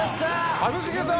一茂さん！